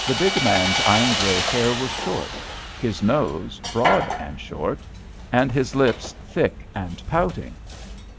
The big man's iron grey hair was short, his nose broad and short, and his lips thick and pouting.